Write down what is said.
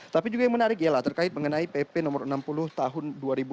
tapi juga yang menarik ialah terkait mengenai pp no enam puluh tahun dua ribu enam belas